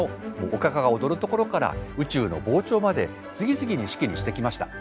おかかが踊るところから宇宙の膨張まで次々に式にしてきました。